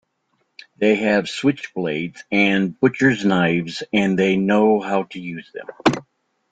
They have switchblades and butchers knives and they know how to use them.